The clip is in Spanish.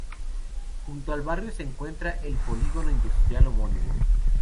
Junto al barrio se encuentra el polígono industrial homónimo.